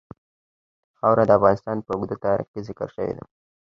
خاوره د افغانستان په اوږده تاریخ کې ذکر شوې ده.